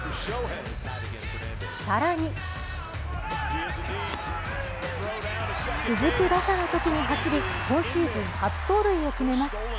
更に続く打者のときに走り、今シーズン初盗塁を決めます。